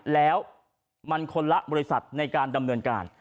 แล้วมันคนละบริษัทในการดำเนินการ